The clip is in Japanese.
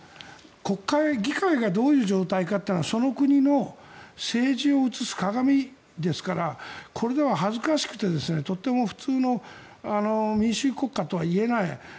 国会、議会がどういう状態かというのは、その国の政治を映す鏡ですからこれでは恥ずかしくてとても普通の民主主義国家とは言えない。